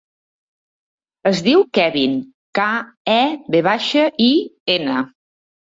Es diu Kevin: ca, e, ve baixa, i, ena.